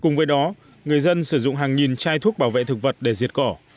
cùng với đó người dân sử dụng hàng nghìn chai thuốc bảo vệ thực vật để diệt cỏ